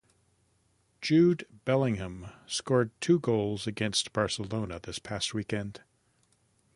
Jude Bellingham scored two goals against Barcelona this past weekend.